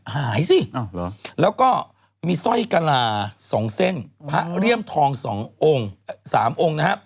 หายสิแล้วก็มีซ่อยกราฏ๒เส้นพระเรียมทอง๓องค์